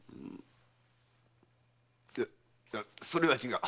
いやそれは違う。